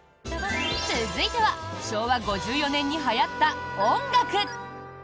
続いては昭和５４年にはやった音楽。